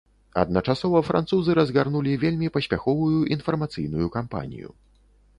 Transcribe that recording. Адначасова французы разгарнулі вельмі паспяховую інфармацыйную кампанію.